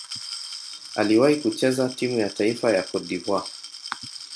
Aliwahi kucheza timu ya taifa ya Cote d'Ivoire.